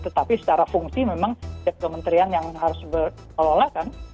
tetapi secara fungsi memang setiap kementerian yang harus berkelola kan